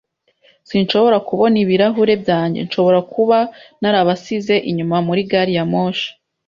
Sinshobora kubona ibirahure byanjye. Nshobora kuba narabasize inyuma muri gari ya moshi.